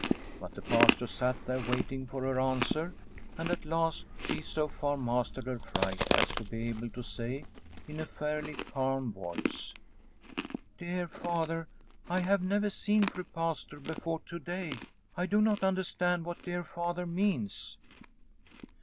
But the Pastor sat there waiting for her answer, and at last she so far mastered her fright as to be able to say in a fairly calm voice :" Dear Father, I have never seen Fru Pastor before to day. I do not understand what dear father means."